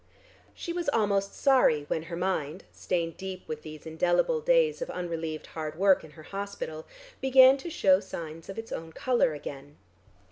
She was almost sorry when her mind, stained deep with these indelible days of unrelieved hard work in her hospital, began to show signs of its own colour again.